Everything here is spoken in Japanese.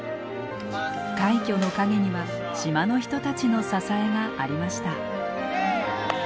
快挙の陰には島の人たちの支えがありました。